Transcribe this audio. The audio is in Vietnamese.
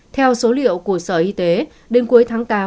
theo số liệu của sở y tế đến cuối tháng tám